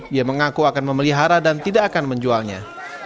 ia mengaku akan memelihara dan tidak akan menjualnya